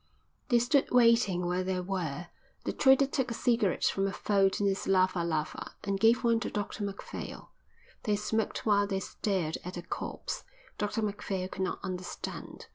They stood waiting where they were. The trader took a cigarette from a fold in his lava lava and gave one to Dr Macphail. They smoked while they stared at the corpse. Dr Macphail could not understand.